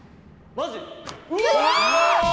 マジ？